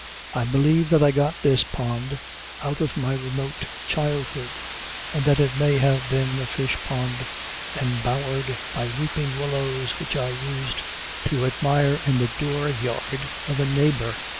I believe that I got this pond out of my remote childhood, and that it may have been a fish pond embowered by weeping willows which I used to admire in the door yard of a neighbor.